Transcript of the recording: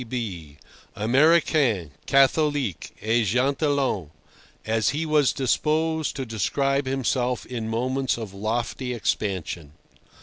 K. B., Américain, Catholique, et gentilhomme, as he was disposed to describe himself in moments of lofty expansion!